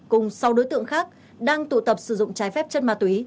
cùng sáu đối tượng khác đang tụ tập sử dụng trái phép chất ma túy